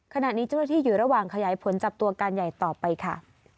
ขณะนี้เจ้าหน้าที่อยู่ระหว่างขยายผลจับตัวการใหญ่ต่อไปค่ะ